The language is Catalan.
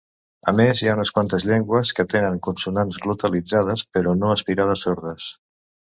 A més, hi ha unes quantes llengües que tenen consonants glotalitzades però no aspirades sordes.